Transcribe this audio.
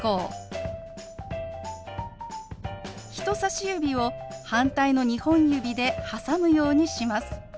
人さし指を反対の２本指で挟むようにします。